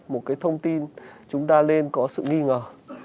một cái thông tin chúng ta nên có sự nghi ngờ